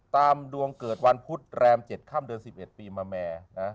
ตามดวงเกิดวันพุธแรม๗ค่ำเดือน๑๑ปีมาแม่นะ